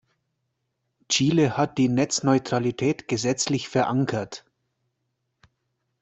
Chile hat die Netzneutralität gesetzlich verankert.